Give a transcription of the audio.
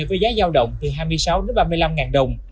với giá giao động từ hai mươi sáu đến ba mươi năm ngàn đồng